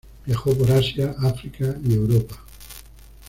Viajó por Asia, Africa y Europa.